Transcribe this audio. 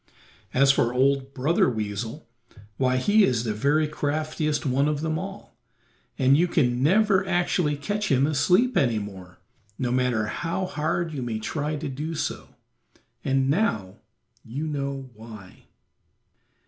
As for old Brother Weasel, why, he is the very craftiest one of them all, and you can never actually catch him asleep any more, no matter how hard you may try to do so, and now you know why.